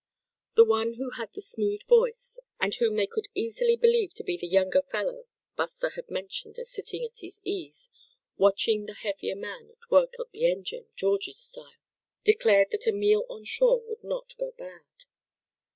The one who had the smooth voice, and whom they could easily believe to be the younger fellow Buster had mentioned as sitting at his ease, watching the heavier man work at the engine, George's style, declared that a meal on shore would not go bad.